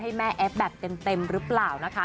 ให้แม่แอฟแบบเต็มหรือเปล่านะคะ